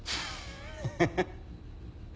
ハハハッ。